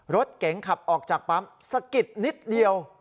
รถเก๋งขับออกจากปั๊มสะกิดนิดเดียว